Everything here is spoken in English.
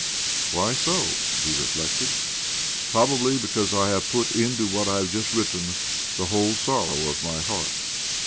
" Why so ?" he reflected. " Probably 1 88 OBLOMOV because I have put into what I have ju3t written the Whole sorrow of my heart."